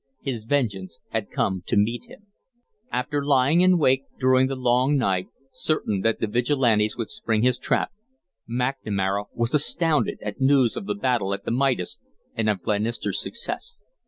His vengeance had come to meet him. After lying in wait during the long night, certain that the Vigilantes would spring his trap, McNamara was astounded at news of the battle at the Midas and of Glenister's success.